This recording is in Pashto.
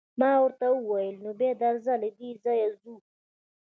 ما ورته وویل: نو بیا درځه، له دې ځایه ځو.